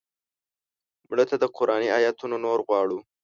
مړه ته د قرآني آیتونو نور غواړو